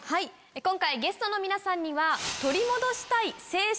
今回ゲストの皆さんは。